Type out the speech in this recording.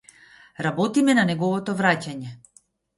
Работиме на неговото враќање.